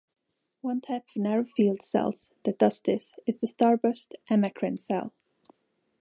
One type of narrow field cells that does this is the starburst amacrine cell.